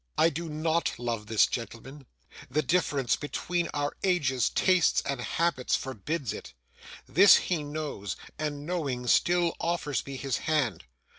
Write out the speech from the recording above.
I do NOT love this gentleman. The difference between our ages, tastes, and habits, forbids it. This he knows, and knowing, still offers me his hand.